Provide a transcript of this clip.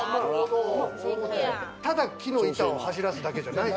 ただ木の板を走らすだけじゃない。